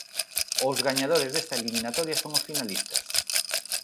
Os gañadores desta eliminatoria son os finalistas.